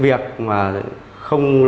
việc không loại trừ đối tượng sale